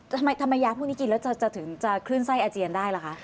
ทำไมยาพวกนี้กินแล้วจะถึงจะคลื่นไส้อาเจียนได้ล่ะคะ